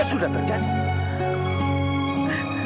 ya sudah terjadi